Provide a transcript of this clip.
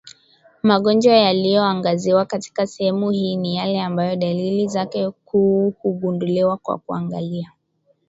Magonjwa yaliyoangaziwa katika sehemu hii ni yale ambayo dalili zake kuu hugunduliwa kwa kuangalia